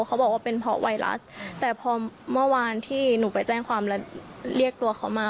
เขาบอกว่าเป็นเพราะไวรัสแต่พอเมื่อวานที่หนูไปแจ้งความแล้วเรียกตัวเขามา